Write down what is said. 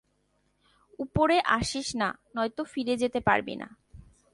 উপরে আসিস না, নয়তো ফিরে যেতে পারবি না।